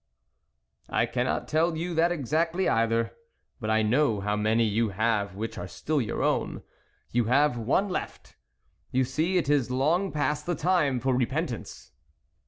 " I cannot tell you that exactly either, but I know how many you have which are still your own. You have one left ! You see it is long past the time for re pentance."